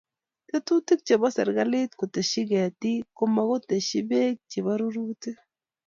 Tetutik che bo serkalit koteshi ketii komokoteshi beek che bo rurutik